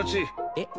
えっ？